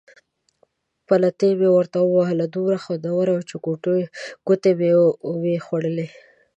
پلتۍ مې ورته ووهله، دومره خوندوره وه چې ګوتې مې وې خوړلې.